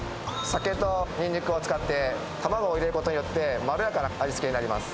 酒とニンニクを使って、卵を入れることによって、まろやかな味付けになります。